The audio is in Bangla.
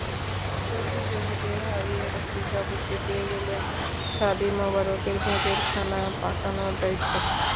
প্রতিযোগীদের হারিয়ে রফিক বাবুর্চি পেয়ে গেলেন শাদি মোবারকের ভোজের খানা পাকানোর দায়িত্ব।